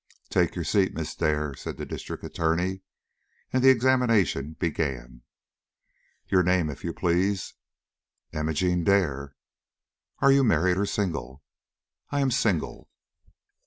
"Take your seat, Miss Dare," said the District Attorney. And the examination began. "Your name, if you please?" "Imogene Dare." "Are you married or single?" "I am single."